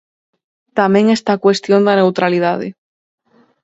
Tamén está a cuestión da neutralidade.